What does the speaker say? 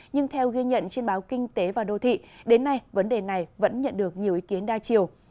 nhưng theo ghi nhận trên báo kinh tế và đô thị đến nay vấn đề này vẫn nhận được nhiều ý kiến đa chiều